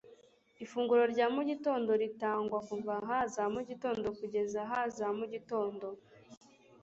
Ifunguro rya mu gitondo ritangwa kuva h za mugitondo kugeza h za mugitondo